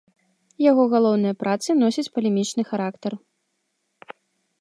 Яго галоўныя працы носяць палемічны характар.